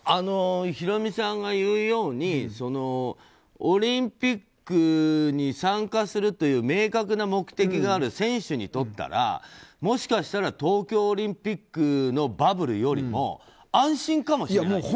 ヒロミさんが言うようにオリンピックに参加するという明確な目的がある選手にとったらもしかしたら東京オリンピックのバブルよりも安心かもしれないよね。